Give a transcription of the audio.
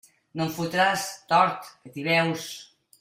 No em fotràs, tort, que t'hi veus.